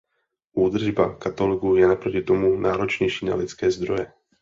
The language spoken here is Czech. Údržba katalogu je naproti tomu náročnější na lidské zdroje.